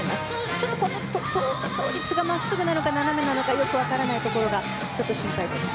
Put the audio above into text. ちょっと倒立が真っすぐか斜めなのかよく分からないところがちょっと心配です。